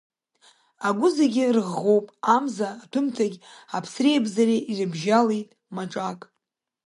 Агәы зегьы рыӷӷоуп амза аҭәымҭагьы, аԥсреи-абзареи ирыбжьалеит маҿак.